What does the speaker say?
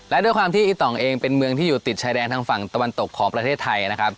และด้วยความที่อีต่องเองเป็นเมืองที่อยู่ติดชายแดนทางฝั่งตะวันตกของประเทศไทยนะครับ